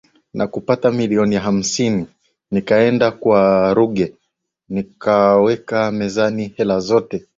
na kupata milioni hamsini Nikaenda kwa Ruge Nikaweka mezani hela zote